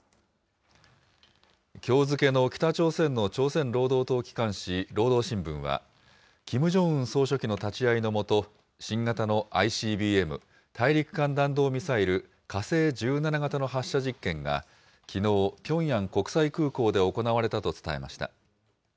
きょう付けの北朝鮮の朝鮮労働党機関紙、労働新聞は、キム・ジョンウン総書記の立ち会いの下、新型のＩＣＢＭ・大陸間弾道ミサイル火星１７型の発射実験が、きのう、ピョンヤン国際空港で行われたと伝えました。